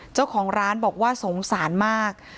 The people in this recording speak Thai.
เจ้าของร้านบอกว่าสงสารมาก